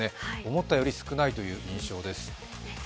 思ったより少ないという印象です。